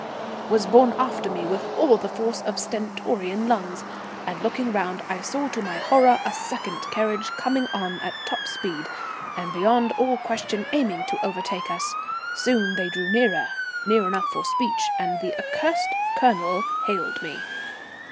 was borne after me with all the force of stentorian lungs, and looking round I saw to my horror a second carriage coming on at top speed, and beyond all question aiming to overtake us. Soon they drew nearer, near enough for speech, and the accursed Colonel hailed me.